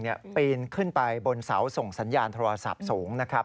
ปีนขึ้นไปบนเสาส่งสัญญาณโทรศัพท์สูงนะครับ